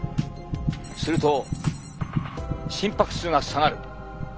すると心拍数が下がる。